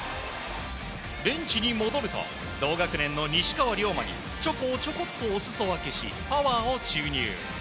ベンチに戻ると同学年の西川龍馬にチョコをちょこっとお裾分けしパワーを注入。